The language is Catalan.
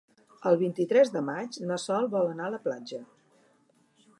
El vint-i-tres de maig na Sol vol anar a la platja.